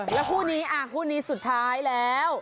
แล้วคู่นี้คู่นี้สุดท้ายแล้ว